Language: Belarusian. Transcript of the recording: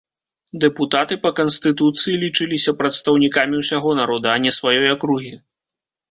Дэпутаты па канстытуцыі лічыліся прадстаўнікамі ўсяго народа, а не сваёй акругі.